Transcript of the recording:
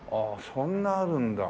そんなあるんだ。